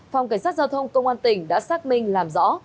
phòng cảnh sát giao thông công an tỉnh đã xác minh làm rõ